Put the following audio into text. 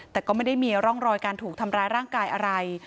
แต่ก็ไม่ได้มีร่องรอยการถูกทำร้ายร่างกายอะไร